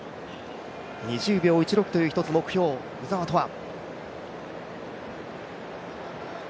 ２０秒１６という一つ目標、鵜澤飛羽。